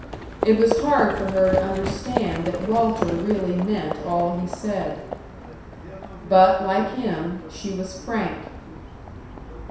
It was hard for her to understand that Walter really meant all he said. But, like him, she was frank.